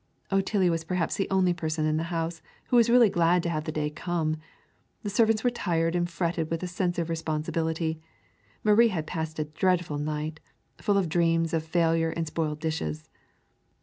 Otillie was perhaps the only person in the house who was really glad to have the day come. The servants were tired and fretted with a sense of responsibility. Marie had passed a dreadful night, full of dreams of failure and spoiled dishes.